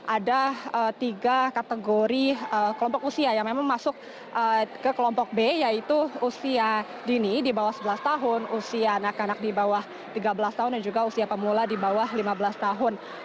ada tiga kategori kelompok usia yang memang masuk ke kelompok b yaitu usia dini di bawah sebelas tahun usia anak anak di bawah tiga belas tahun dan juga usia pemula di bawah lima belas tahun